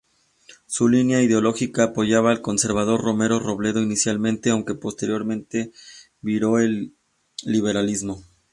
Su línea ideológica apoyaba al conservador Romero Robledo inicialmente, aunque posteriormente viró al liberalismo.